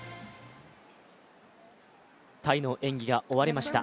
タイの演技が終わりました。